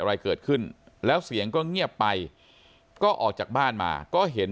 อะไรเกิดขึ้นแล้วเสียงก็เงียบไปก็ออกจากบ้านมาก็เห็น